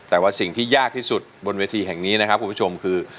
แต่ว่าสิ่งที่ยากที่สุดบนเวทีแห่งนี้นะครับคุณผู้ชมคือ